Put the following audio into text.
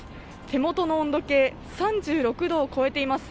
手元の温度計３６度を超えています。